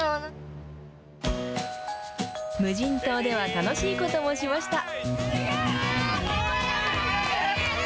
無人島では楽しいこともしました。